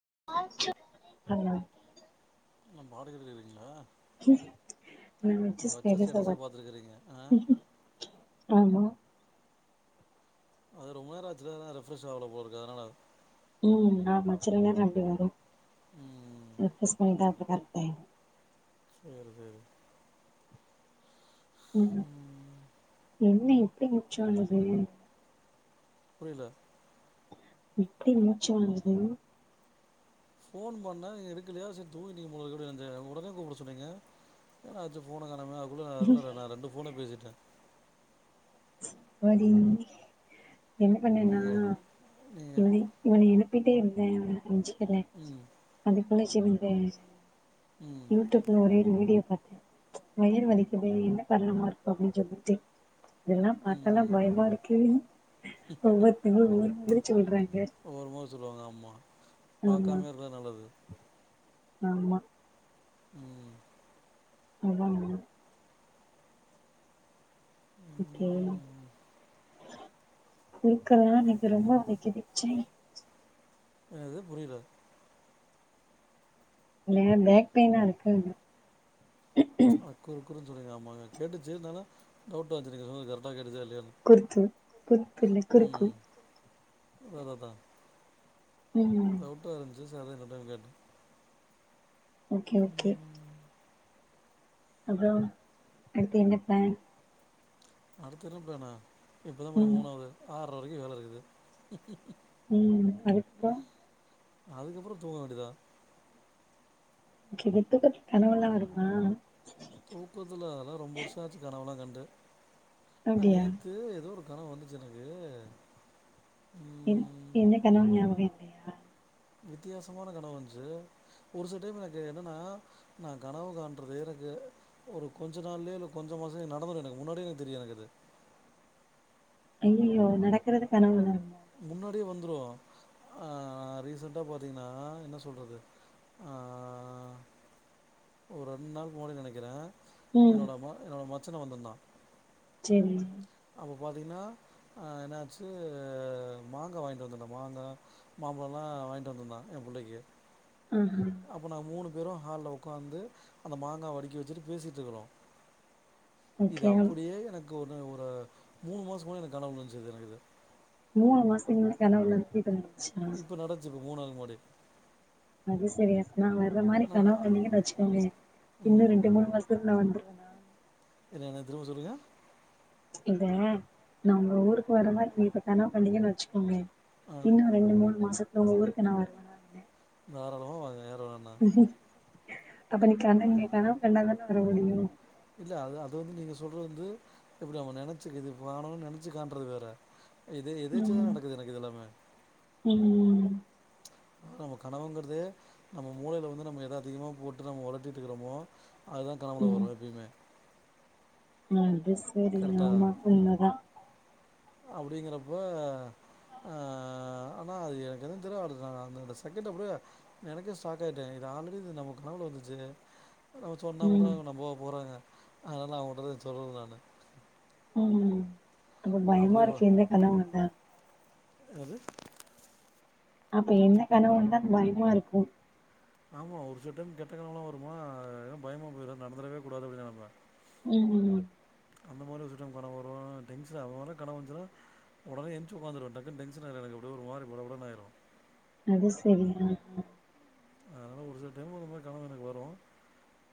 [unintelligible] ந பாடகர் இல் இல்லேங்களா ந வெச்ச ஸ்டேட்ஸ் அதா ஸ்டேட்டஸே பார்த்துருக்குறீங்க ஆ ஆமா அது ரொம்ப நேரோ ஆச்சுல்ல அதா ரிஃப்ரஷ் ஆவல போல இருக்கு அதனால ம் நா மச்சலன்னே நம்பி வேறே ம் ரஃப்ரேஷ் [inaudible] சேரி சேரி ம் என்ன எப்படி முச்சு வாங்குது புரில இப்டி மூச்சு வாங்குது போன் பண்ண நீங்க எடுக்கலேயா சரி தூங்கிடீங்க போல இருக்கு நென்சே உடனே கூப்ட சொன்னீங்க ன்னா அச்சு போன கானமே அகுல அகுலர நா ரெண்டு போன பேசிட்டே ஓதிந்தி என்ன பண்ணேன்னா நீங்கள் நீங்கள் இவனை இவனை எழுப்பிட்டே இருந்தே அவன அஞ்சு துல ம் அதுக்குள்ள சிவென்தே ம் ம் யூடியூப்ல ஒரே ஒரு வீடியோ பாத்தே வயிறு வலிக்குது என்ன காரணமா இருக்கு அப்டின்னு சொல்லிட்டு இதெல்லா பாத்தல்லா ம் பயமா இருக்கு ஒவ்வொருத்தங்களு ஒவ்வொரு மாரி சொல்றாங் ஒவ்வொரு மாரி சொல்லுவாங்க ஆம்மா ஆமா பாக்காமேயே இருந்தா நல்லது ஆமா ம் [unintelligible] ஓகே ம் குருக்கல்லா எனக்கு ரொம்ப வலிக்குது ச்சி என்னது புரில இல்ல பேக் பெயின்னா இருக்குங்ற அக்குரு குருன் சொன்னிங்க ஆமாங்க கேட்டுச்சு இருந்தாலு டவுட்டா இருந்துச்சு நீங்க சொன்னது கரட்டா கேட்டுச்சா இல் குர்த்து குர்த்தில்லை குறுக்கு அததாதா ம் டவுட்டா இருந்துஞ்சு சரி அதா இன்னொரு டைம் கேட்ட ஓகே ஓகே அப்றோ அடுத்து என்ன பிளான் அடுத்து என்ன ப்ளானா இப்பதா மணி ம் மூணாவது ஆறரை வரைக்கு வேலை இருக்குது ம் அதுக்கப்றோ அதுக்கப்புறோ தூங்க வேண்டியதா கிவி தூக்கத்துல கனவெல்லா வருமா‌ தூக்கத்துல அதெல்லா ரொம்ப வருஷோ ஆச்சு கனவெல்லா கண்டு ஆ அப்டியா நேத்து ஏதோ ஒ கணவ் வந்துச்சு எனக்கு என் ம், என்ன கனவு நியாபக இல்லையா வித்தியாசமான கனவு வந்துச்சு ஒரு சில டைம் எனக்கு என்னென்னா நா கனவு காண்றதே எனக்கு ஏ ஒரு கொஞ்ச நாள்லேயே இல்ல கொஞ்சோ மாசம் நடந்துரு எனக்கு முன்னாடியே எனக்கு தெரியு எனக்கு அது ஐய்யயோ நடக்கறது கனவல்ல முன்னாடியே வந்துரு அ ஆ ரீசென்டா பாத்தீங்னா என்ன சொல்றது ஆ ஒரு ரெண் நாளுக்கு முன்னாடி நெனைக்கிறே ம் என்னோட ம என்னோட மச்சன வந்திருந்தா சரி இப்போ பாத்தீங்கனா அ என்னாச்சு மாங்கா வாங்கிட்டு வந்துர்ந்தோ மாங்கா மாம்பழம்லா ஆ வாங்கிட்டு வந்துருந்தாங்க எ புள்ளைக்கு ஆஹா அப்ப நாங்க மூணு பேரு ஹால்ல உக்காந்து அந்த மாங்காவ அடுக்கி வச்சுட்டு பேசிட்டுருக்குறோ இது ஓகே அப்படியே எனக்கு ஒரு ஒரு மூணு மாசோ முன்னாடி எனக்கு கனவுல வந்துச்சுது எனக்கு இது மூணு மாசத்துக்கு முன்னால கனவுல [unintelligible] இப்ப நடச்சு இப்ப மூணாது மாடி அது சரி அப்ப நா வர்ற மாரி கனவு அ கண்டீங்கன் வச்சுக்கோங்களே ம் இன்னு ரெண்டு மூணு மாசத்துல நா வந்துருவ என்ன என்ன திரும்ப சொல்லுங்க இந்த நா ஒங்க ஊருக்கு வர மாரி நீ இப்ப கனவு கண்டீங்கன் வச்சிக்கோங்க ஆ இன்னு ரெண்டு மூணு மாசத்துல ஒங்க ஊருக்கு நா வருவன [unintelligible] தாராளமா வாங்க யாரு வேணா அப்ப நீ கண்ண நீ கனவு கண்டா தான வர முடியு இல்ல அது அது வந்து நீங்க சொல்றது வந்து எப்டி அவங்க நனச்சு இது வனுன் நனச்சு காண்றது வேற இது எதேச்சயா தா நடக்குது எனக்கு இது எல்லாமே ம் ம் நம்ம கனவுங்கறதே நம்ம மூளைல வந்து நம்ம எத அதிகமா போட்டு நம்ம ஒளட்டிட்டுக்றோமோ அதுதா கனவுல ம் வரு எப்பயுமே அது சரி ஆமா உண்மதா அப்டிங்றப்ப ஆ ஆனா அது எனக்கு எது தெர்ல அந்த செகண்ட் அப்டியே எனக்கே ஷாக் ஆய்ட்ட ஆல்ரெடி இது நம்ம கனவுல வந்துச்சே நம்ம சொன்ன கூட ம் அவங்க நம்பவா போறாங்க அதனால நா அவங்கள்ட்ட இத சொல்லல நானு ம் அப்ப பயமா இருக்கே எந்த கனவு வந்தா எது அப்ப என்ன கனவு வந்தால் பயமா இருக்கு ஆமா ஒரு சில டைம் கெட்ட‌ கணவெல்லா வருமா எனக்கு பயமா போய்ரு நடந்துரவே கூடாது அப்டின் நனைப்ப ம் அந்த மாரி ஒரு சில டைம் கன வரு டென்ஷன் ஆ [unintelligible] கனவு வந்துச்சுன்னா ஒடனே எஞ்ச்சி ஒக்காந்துருவ டக்குன டென்சன் ஆய்டு எனக்கு அப்டியே ஒரு மாரி படபடனு ஆய்டு அது சரி ஆ அதனால ஒரு சில டைம் அந்த மாரி கனவு எனக்கு வரு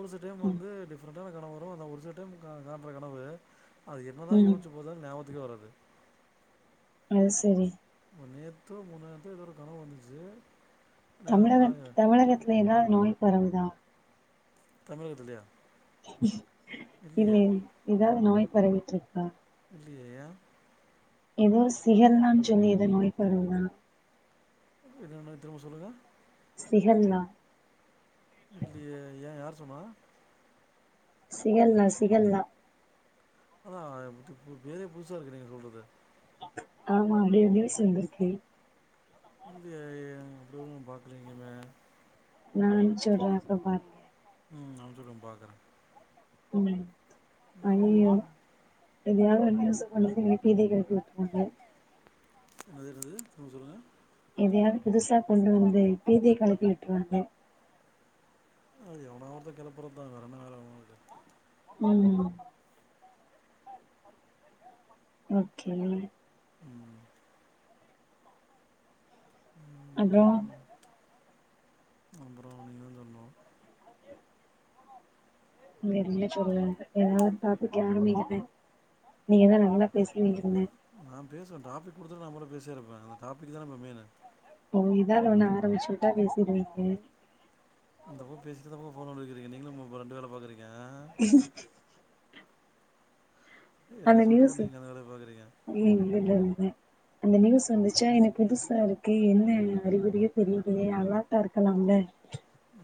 ஒரு சில டைம் ம் வந்துட டிப்ரண் டான கனவு வரு ஆனா ஒரு சில டைம் கா கான்ற கனவு அது என்னதா ம் யோஸ்ச்சு பாத்தாலு ஞாபத் துக்கே வறாது ஆ சரி இப்போ நேத்தோ முந்தாநேத்தோ ஏதோ ஒரு கனவு வந்துச்சு நான் தமிழக நான் தமிழகத்துல ஏதாவது நோய் பரவுதா தமிழகத்துலையா இல்ல இல்லையே இல் ஏதாவது நோய் பரவிட்ருக்கா இல்லியே ஏ ஏதோ சிகல் தான்னு சொல்லி ஏதோ நோய் பரவுதா என்னன்ன திரும்ப சொல்லுங்க சிஹல்லா இல்லியே ஏ யார் சொன்னா சிகல்னா சிகல்னா அதா இப்ப பேறே புதுசாருக்கு நீங்க சொல்றது ஆமா அடியோரு நியூஸ் வந்துருக்கு இல்லியே அப்டி ஒன்னு பாக்கலங்குமே நா சொல்ற அப்போ பாருங்க ம் அம்ச்சு உடுங்க பாக்குற ம் அய்யய்யோ எதையாவது ஒரு நியூஸ சொல்லி பீதிய கெளப்பி வுட்றுவாங்க என்னது என்னது திரும்ப சொல்லுங்க எதையாவ புதுசாக் கொண்டு வந்து பீதியக் கெளப்பி விட்டுருவாங்க அது எவனா ஒருத்த கெளப்புறத்தா வேற என்ன வேல அவன்களுக்கு ம் ஓக்கே ம் அப்றோ அப்பற நீங்கதா சொல்னு [unintelligible] எதாது ஒரு டாபிக் ஆரம்பிங்க நீங்கதா நல்லா பேசுவீங்கதான நா பேசுவ டாப்பிக் கொடுத்துட்டு நாபாட்டு பேசியேருப்ப அந்தட்டாப்பிக் தான இப்ப மெயினு எதாவது ஒண்ணு ஆரம்பிச்சு விட்டா பேசிருவீங்க இந்தப்பக்கோ பேசிட்டு இந்தப்பக்கோ ஃபோன் நோண்டிருக்கிறீங்க நீங்களு ப ரெண்டு வேலப் பாக்குறீங்க என்ன அந்த சொல்லிட்டு இப்ப நியூஸ்சு நீங்க அந்த வேலைய பாக்குறீங்க இ இல்ல இல்லல்ல அந்த நியூஸ் வந்துச்சா என புதுசாருக்கு என்ன அறிகுறியோ தெரியுதே அலாட்டா இருக்கலாம்ல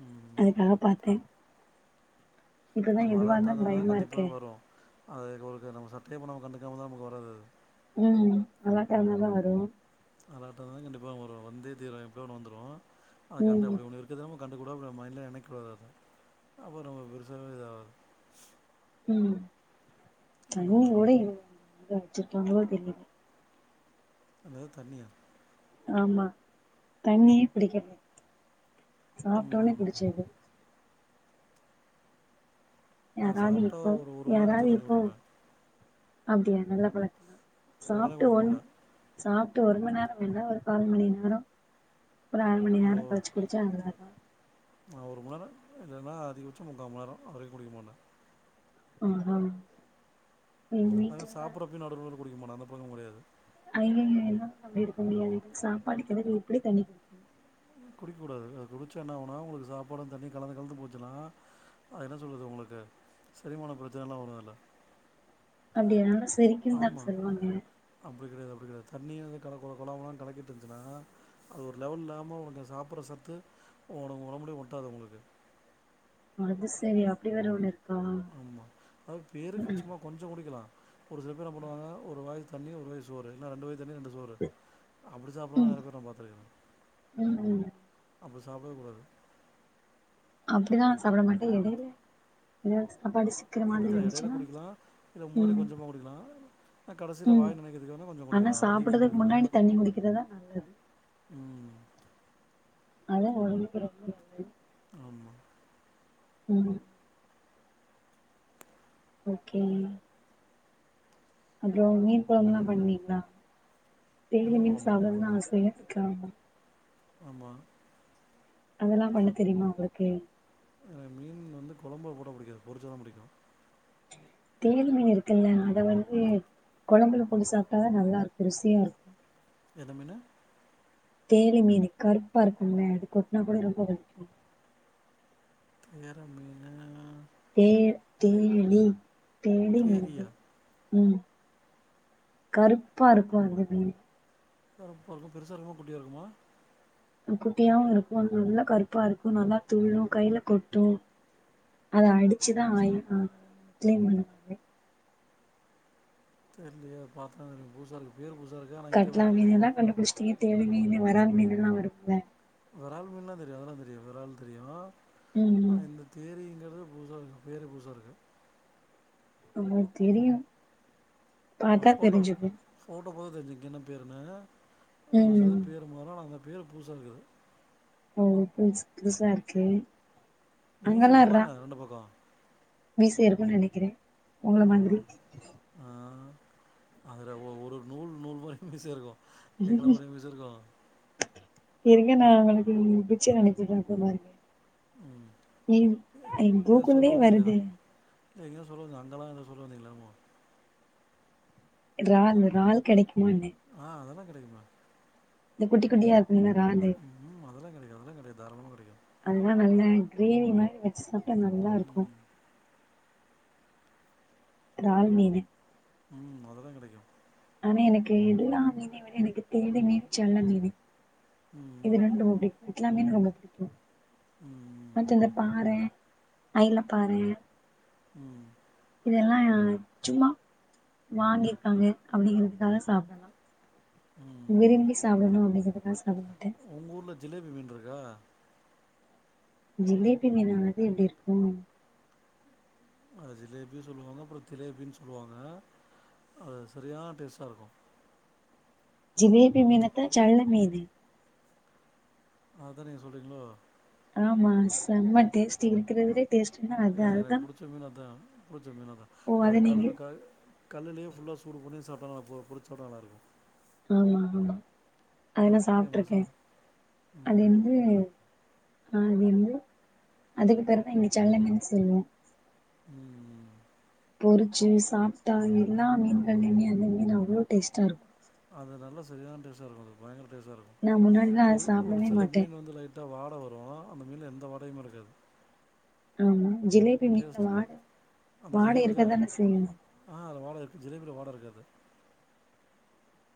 ம் அதுக்கா பாத்த இப்பதா நம்ம எதுவாருந்தா அலர்ட்டானா தா கண்டிப்பா பயமாருக்கே வரு அது உங்ககு நம்ம சட்டயே பண்ணாம கண்டுக்காம தா நமக்கு வராது அது ம் அலாட்டாருந்தா தா வரு அளாட்டாருந்தாலும் கண்டிப்பா வரும் வந்தே தீரு எப்டியோ ஒண்ணு வந்துரு அத கண்ட ம் அப்டி ஒண்ணுருக்கத நாமக் கண்டுக்கூடா அப்ற மைண்ட்லே நெணைக்கூடா அது அப்ப ரொம்ப பெருசாவே இதாகாது ம் அந்த தண்ணிக் மாரி. கூட [unintelligible] ச்சிறுக்காங்களோ தெரில அத தண்ணியா ஆமா தண்ணியே பிடிக்கல சாப்ட்டோன ம். குடிச்சது ஆ யாராவது சாப்டா இப்போ ஒரு ஒரு மண்நேர கழிச் தா யாராவது தண்ணி இப்போ குடிப்ப அப்டியா நல்ல பழக்கந்தா உடனே சாப்ட்டு குடிக்க ஒன் மாட்டேன். சாப் ட்டு ஒரு மண்நேரம் இல்ல ஒரு கால்மணி நேரோ ஒரு அர மணி நேரோ கழிச்சி குடிச்சா அது தா ஆ ஒரு மநேர இல்லன்னா அதிகபட்சோ முக்காமநேரோ அதுவர குடிக்கமாட்ட ஆ அதன சாப்புட்றப்பையு நடு நடுல குடிக்கமாட்ட அந்த பழக்கமு கெடையாது அய்யய என்னால அப்டிருக்க முடியாது சாப்பாடுக்கெடைல எப்டித் தண்ணிக் குடிக்கூடாது அது குடிச்சா என்ன ஆவுன்னா உங்களுக்கு சாப்பாடு தண்ணியு கலந்து கலந்துப் போச்சுனா அத என்ன சொல்றது உங்களுக்கு செரிமானப் பிரச்சனலா வரு அல்ல அப்டியா செரிக்குன்தா சொல்வாங்க அப்டிகிடையாது தண்ணியாவே கல கொல கொலா முலானு கலக்கிட்ருஞ்சின்னா அது ஒரு லெவல்லாம்ம உனக்கு சாப்புர்ற சத்து ஒனக் ஒடம்புலயே ஒட்டாது உங்களுக்கு அதுசரி அப்டி வேற ஒன்னு ஆமா பேருக்குச் சும்மாக் கொஞ்சோ குடிக்கிலா ஒரு சில பேரின்னா பண்ணுவாங்க ஒரு வாய்த் தண்ணி ஒரு வாய் சோறு இன்னா ரெண்டு வாய்த் தண்ணி ரெண்டு சோறு அப்டி சாப்புரவ ம் நெறய பேர நா பாத்திருக்கே ம் ம் அப்டிஸ் சாப்டவே கூடாது அப்டிலா நா சாப்ட மாட்ட எடைல [unintelligible] குடிக்கலா இடைலக் குடிக்கலா இல்ல முன்னாடிக் ம் கொஞ்சமாக் குடிக்கலா கடசில ம் வாய் நனைக்கத்துக் ஆனா சாப்புடதுக்கு முன்னாடித் தண்ணிக் குடிக்கிர்ரதா நல்லது ம் அதான் ஒடம்புக்கு ரொம்ப நல்லது ஆமா ம் ஓகே அப்புறம் மீன் குழம்பம் எல்லா பண்ணுவீங்களா தெய்லி மீன் சாப்டன்னு ஆசை ஆமா ஆமா அதெல்லா பண்ண தெரியுமா உங்களுக்கு எனக்கு மீன் வந்து குழம்புல போட்டா புடிக்காது பொரிச்சாதா புடிக்கு தேலி மீன் இருக்குல்ல அத வந்து குழம்புல பொட்டு சாப்ட்டாதான் நல்லா இருக்கும் ருசியா இருக்கும் எதுமின தேலி மீன் கருப்பா இருக்கும்ல அது கொட்னா கூட ரொம்ப வலிக்கு தேர மீனா தே தேலி தேலி மீனு தேரியா ம் கருப்பா இருக்கு அந்த மீனு கருப்பா இருக்கும் பெருசா இருக்குமா குட்டியா இருக்குமா அ குட்டியாவும் இருக்கும் நல்லா கருப்பா இருக்கும் நல்லா துள்ளும் கையில கொட்டும் அத அடிச்சுதான் ஆய்வாங்க கிளம் பண்ணுவாங்க தெரில்லையே பாத்தா தெரியும் பூசாக்கு பேர் பூசா கட்லா மீன் எல்லா கண்டுபிடிச்சட்டீங்க தேலி மீன் வரால் மீன் எல்லாம் வரும்ல வறால் மீன்லாம் தெரியும் அதெல்லா தெரியும் வெறால் தெரியும் ம் ம் இந்த தேரி ங்க பெரே பூசா இருக்கு பேரே பூசா இருக்கு உங்களுக்கு தெரியும் பாத்தா தெரிஞ்சுக்கு போ போக தெரிஞ்சுக்கு என்ன பேருன்னு ஒரு சிலது ம் பேர் மாரூ அந்த பேர் பூசா இருக்கு இது ஓ புதுசு புதுசார்க்கு மீச இருக்குமா என்ன ரெண்டு பக்கம் மீச இருக்கும்ன்னு நினைக்கிறே உங்கள மாதிரி ஆ அதுற ஒரு நூல் நூல் மாரி மீச இருக்கு எங்கள மாரி மீச இருக்கு இருங்க நான் உங்களுக்கு பிச்சர் அனுப்புறேன் அப்ப பாருங்க ம் ஏ எங்கோக்குல்தே வருது இல்லலைங்க ன்னும் சொல்லுவந்திங்க அங்கல்ல என்ன சொல்ல வந்தீங்கள்ல என்னமோ றால் றால் கிடைக்குமாண்ண கெடக்குமே இந்த குட்டி குட்டியா இருக்குமே றாலு அதெல்லாம் கெடைக்கு அதெல்லா கெடைக்கு தாராளமா கிடைக்கு அதல்லா நல்ல கிரேவி மாரி வச்சு சாப்ட்டா நல்லா இருக்கும் ம் ரால்மீனு ம் அதுலா கடைக்கும் எனக்கு எல்லா மீனவிட எனக்கு தேலி மீன் செல்ல மீனு இது ம் ரெண்டும் புடிக்கும் எல்லாமே ரொம்ப பிடிக்கும் ம் ம் அடுத்து இந்த பாறை அயல பாரே ம் இதெல்லா சும்மா வாங்கியிருக்காங்க அப்படிங்கறிறதுக்காக சாப்டலா ம் ம் விரும்பி சாப்பிடணும் அப்பகிறதுக்கா சாப்ட மாட்ட உங்க ஊர்ல ஜிலேபி மீன் இருக்கா ஜிலேபி மீனா அது எப்டி இருக்கும் அத ஜிலேபி சொல்லுவாங்க அப்புற திலேபி சொல்லுவாங்க அ சரியா டேஸ்ட்டா இருக்கு ஜிலேபி மீன்னத ஜள்ள மீன் அதா நீங்க சொல்றீங்களோ ஆமா செம டேஸ்டி இருக்கிறதிலயே ஏன்னா எனக்கு பிடிச்ச மீன் அதா புடிச்ச மீன்னதா ஓ அதை அத நீங்க கல்லுக்க [inaudible] கல்லுேயே ஃபுல்லா சூடு பண்ணியு சாப்ட்டே [inaudible] பொறிச் சாப்ட்டா நல்லாருக்கு ஆமா ஆமா அதெல்லா சரி சாப்ட்டுருக்கே மோசம் அது ம் என்து ஆ அது வந்து அதுக்கு பிறகுதா எங்க சல்ல மீன் சொல்வோ ம் பொறிச்சு சாப்ட்டா எல்லா மீன்கள்லையுமே அந்த மீன் அவ்வளோ டேஸ்ட்டா இருக்கு அது நல்ல சரியான டிஷ் இருக்கும்து பயங்கர டேஸ்ட்டா இருக்கும் நா முன்னாடிதா அத சாப்டவே மாட்டே ட வாட வரு அந்த மீன்ல எந்த வாடையுமே இருக்காது ஆம் டேஸ்ட் அந்த வாட ஜிலேபி தா இருக்கதான செய்யு ஆ அது வாட இருக்காது ஜிலேபியில் வாடருக்காது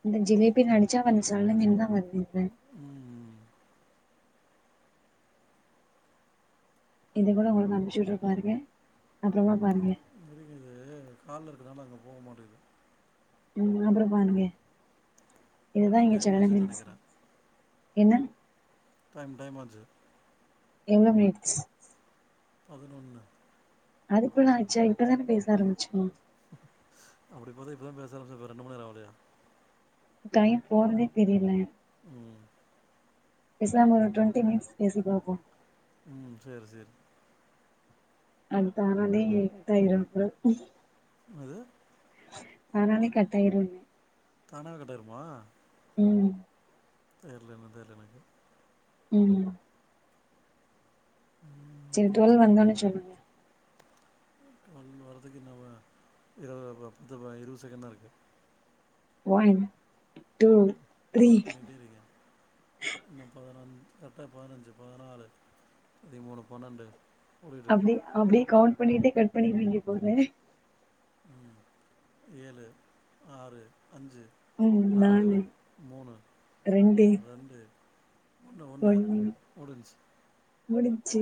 இந்த ஜிலேபினு அடிச்சா நீ சொன்ன மீன்தா வருது இத ம் இத கூட உங்களுக்கு அனுப்பி விடுறே பாருங்க அப்பறமா பாருங்க கால்ல இருக்கனால அங்கே போக மாட்டேது ம் அப்பற பருங்க இதுதா ஆ இங்க டைம் சல்ல ஆச்சுன்னு மீன்ஸ் நினைக்கிறேன் என்ன டைம் டைமாச்சு எவ்ளோ மினிட்ஸ் பதினொன்னு அதுக்கு நான்ச்சா இப்பதானே பேச ஆரம்பிச்சோ அப்டி பாத்தா இப்பதா பேச ஆரம்பிச்சோ இப்ப ரெண்டு மண் நேர ஆகுதே டைம் போறதே தெரியல ம் பேசாம ஒரு டுவெண்டி மினிட்ஸ் பேசி பாப்போ ம் சரி சரி அதுதானனே தயிர [unintelligible] அது தானாவே கட் ஆகிரும்ன்னே தானா கட் ஆகிருமா ம் தெரில என் தெரில எனக்கு ம் ம் சரி டுவெல் வந்தோன்னே சொல்லுங்க டுவல் வரதுக்கு இன்னு ஒ இருவ ப பத் இருவது செகண்ட் தா இருக்கு ஒன் டூ த்ரீ எண்ணிகிட்டே கரட்டா பதினஞ்சு பதினாலு பதிமூணு பன்னெண்டு ஓடிட்டு அப்டி இருக்குது அப்டியே கவுண்ட் பண்ணிட்டே கட் பண்ணிருவீங்க போல ம் ஏழு ஆறு அஞ்சு நாலு மூணு ரெண்டு ரெண்டு ஒண்ணு ஒண்ணு ஒன்னு முடிஞ்ச்சு முடிஞ்ச்சு